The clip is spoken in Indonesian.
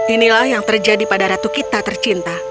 inilah yang terjadi pada ratu kita tercinta